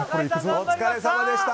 お疲れさまでした！